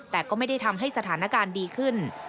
แต่ก็ไม่ได้ทำให้สถานการณ์ดีขึ้น